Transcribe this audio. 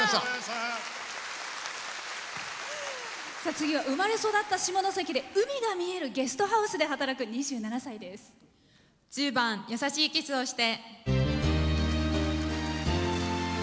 次は生まれ育った下関で海が見えるゲストハウスで働く１０番「やさしいキスをして」。